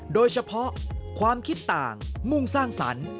โดยเฉพาะความคิดต่างมุ่งสร้างสรรค์